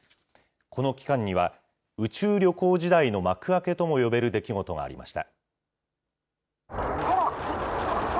この期間には、宇宙旅行時代の幕開けとも呼べる出来事がありました。